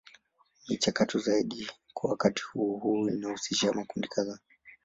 Michakato zaidi kwa wakati huo huo inahusisha makundi kadhaa.